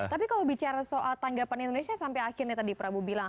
tapi kalau bicara soal tanggapan indonesia sampai akhirnya tadi prabu bilang